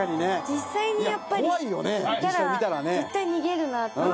実際にやっぱりいたら絶対逃げるなって。